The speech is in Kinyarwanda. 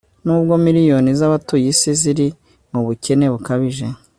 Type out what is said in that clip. n' ubwo miliyoni z' abatuye isi ziri mu bukene bukabije